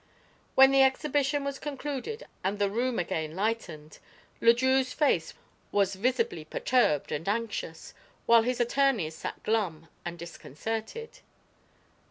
When the exhibition was concluded and the room again lightened, Le Drieux's face was visibly perturbed and anxious, while his attorneys sat glum and disconcerted.